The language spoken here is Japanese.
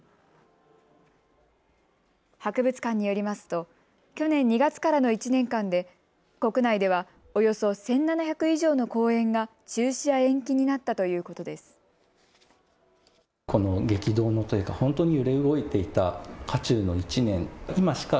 博物館によりますと去年２月からの１年間で国内では、およそ１７００以上の公演が中止や延期になったということです。